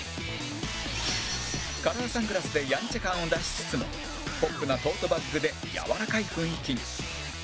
カラーサングラスでやんちゃ感を出しつつもポップなトートバッグでやわらかい雰囲気に